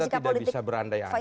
kita tidak bisa berandai andai